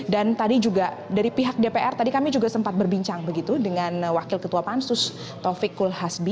dan tadi juga dari pihak dpr tadi kami juga sempat berbincang begitu dengan wakil ketua pansus taufik kulhasbi